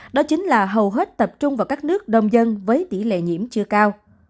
đó chính là hầu hết tập trung vào các nước đông dân với tỷ lệ nhiễm chưa cao